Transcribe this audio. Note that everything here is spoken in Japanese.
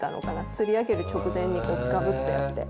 釣り上げる直前にガブッてやって。